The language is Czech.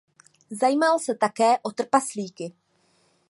Zajímal se také o trpaslíky.